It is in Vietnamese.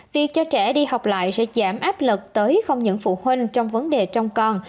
việc cho trẻ đi học lại sẽ giảm áp lực tới không những phụ huynh trong vấn đề trong con